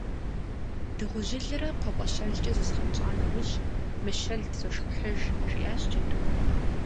- Дыгъужьылрэ кхъуэпӏащэлкӏэ зызгъэнщӏа нэужь, мыщэл тызошхыхьыж, - жиӏащ джэдум.